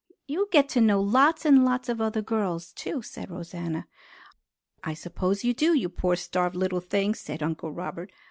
"You get to know lots and lots of other girls, too," said Rosanna. "I suppose you do, you poor starved little thing!" said Uncle Robert.